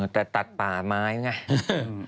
แต่ตัดป่าไม้ไง